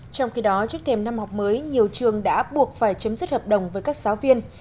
trong khi đó trước thềm năm học mới nhiều trường đã buộc phải chấm dứt hợp đồng với các giáo viên